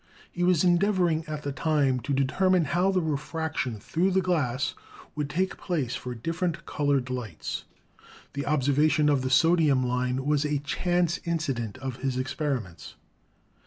He was endeavoring at the time to determine how the refraction through glass would take place for different colored lights. The observation of the sodium line was a chance inci dent of his experiments.